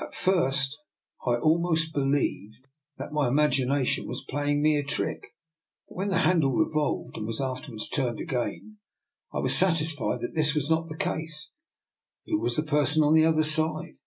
At first I almost believed that my imagination was playing me a trick; but when the handle revolved and was after wards turned again, I was satisfied that this was not the case. Who was the person on the other side?